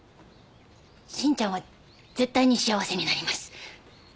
真ちゃんは絶対に幸せになります。